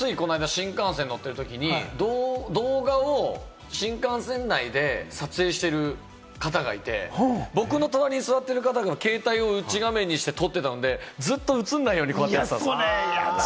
新幹線乗ってるときに動画を新幹線内で撮影してる方がいて、僕の隣に座ってる方の携帯を内画面にして撮ってたので、ずっと映らないようにしてたんですよ。